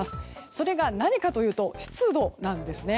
それが何かというと湿度なんですね。